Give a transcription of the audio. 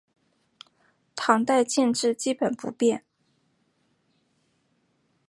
唐代建制基本不变。